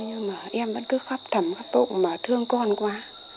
nhưng mà em vẫn cứ khắp thầm khắp bộ mà thương con quá